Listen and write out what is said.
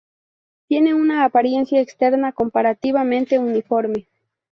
Tienen una apariencia externa comparativamente uniforme.